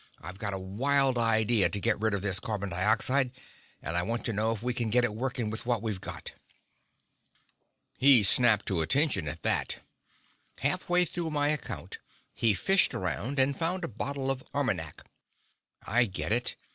"I've got a wild idea to get rid of this carbon dioxide, and I want to know if we can get it working with what we've got." He snapped to attention at that. Half way through my account, he fished around and found a bottle of Armagnac. "I get it.